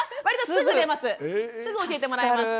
すぐ教えてもらえます。